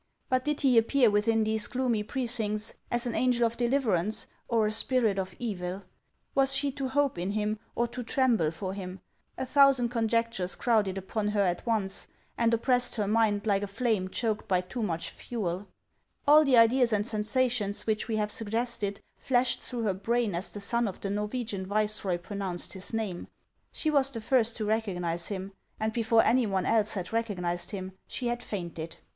But did he appear within these gloomy precincts as an angel of deliverance, or a spirit of evil ? Was she to hope in him, or to tremble for him ? A thousand conjectures crowded upon her at once, and oppressed her mind like a flame choked by too much fuel; all the ideas and sensations which we have suggested Hashed through her brain as the son of the Norwegian viceroy pronounced his name. She was the first to recognize him, and before any one else had recog nized him, she had fainted.